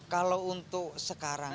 kalau untuk sekarang